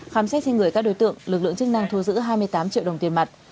khám xét trên người các đối tượng lực lượng chức năng thu giữ hai mươi tám triệu đồng tiền mặt